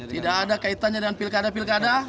tidak ada kaitannya dengan pilkada pilkada